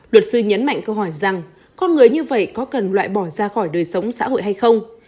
luật sư nhấn mạnh câu hỏi rằng con người như vậy có cần loại bỏ ra khỏi đời sống xã hội hay không